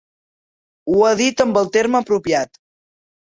Ho ha dit amb el terme apropiat.